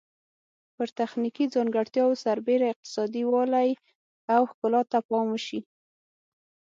پر تخنیکي ځانګړتیاوو سربیره اقتصادي والی او ښکلا ته پام وشي.